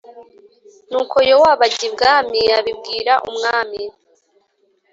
Nuko Yowabu ajya ibwami, abibwira umwami